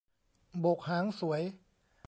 โบกหางสวย